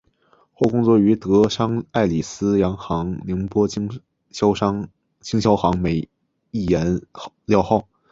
后工作于德商爱礼司洋行宁波经销行美益颜料号。